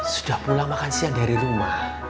sudah pulang makan siang dari rumah